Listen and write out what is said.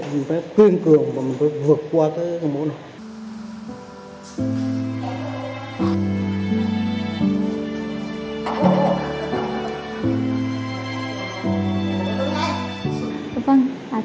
mình phải cương cường và mình phải vượt qua tới con bố nào